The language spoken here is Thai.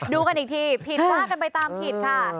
กันอีกทีผิดว่ากันไปตามผิดค่ะ